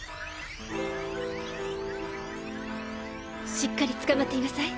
しっかりつかまっていなさい。